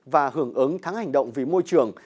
và hưởng ứng thắng hành động vì môi trường